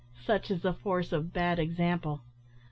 Such is the force of bad example.